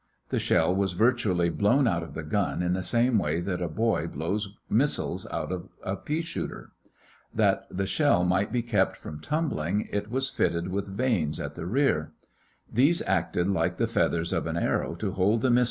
The shell was virtually blown out of the gun in the same way that a boy blows missiles out of a pea shooter. That the shell might be kept from tumbling, it was fitted with vanes at the rear. These acted like the feathers of an arrow to hold the missile head on to its course.